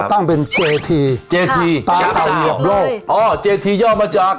ถ้าตั้งเป็นเจธีเจธีจับเต่าเหยียบโลกอ๋อเจธียอดมาจาก